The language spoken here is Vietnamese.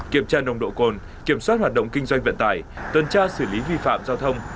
kiểm tra nồng độ cồn kiểm soát hoạt động kinh doanh vận tải tuần tra xử lý vi phạm giao thông